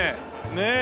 ねえ？